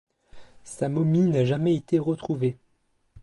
Sa momie n'a jamais été retrouvée.